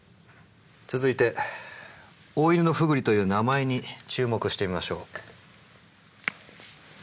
続いてオオイヌノフグリという名前に注目してみましょう。